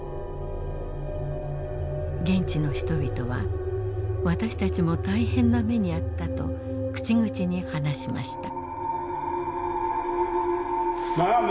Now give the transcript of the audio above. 現地の人々は私たちも大変な目に遭ったと口々に話しました。